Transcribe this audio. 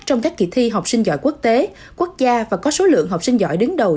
trong các kỳ thi học sinh giỏi quốc tế quốc gia và có số lượng học sinh giỏi đứng đầu